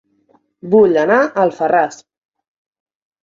Vull anar a Alfarràs